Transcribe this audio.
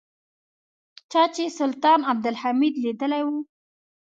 چا چې سلطان عبدالحمید لیدلی و.